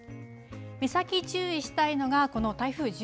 目先、注意したいのがこの台風１